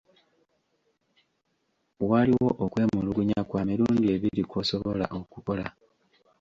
Waliwo okwemulugunya kwa mirundi ebiri kw'osobola okukola.